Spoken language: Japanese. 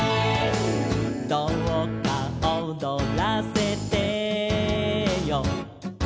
「どうか踊らせてよ」